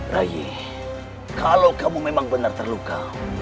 rayi kalau kamu memang benar terluka